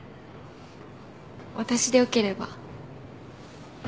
私でよければ。